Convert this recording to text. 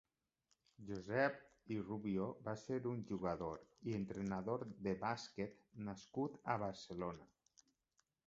Josep Vila i Rubio va ser un jugador i entrenador de bàsquet nascut a Barcelona.